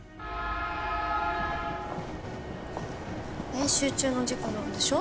練習中の事故なんでしょ？